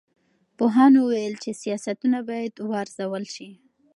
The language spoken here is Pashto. پوهانو وویل چې سیاستونه باید وارزول سي.